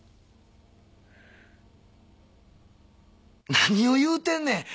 何を言うてんねん！？